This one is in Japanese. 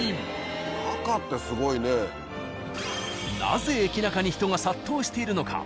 なぜエキナカに人が殺到しているのか。